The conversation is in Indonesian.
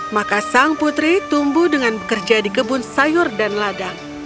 maka sang putri tumbuh dengan bekerja di kebun sayur dan ladang